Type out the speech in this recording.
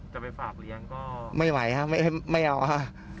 จะไปฝากเลี้ยงก็ไม่ไหวครับไม่เอาค่ะ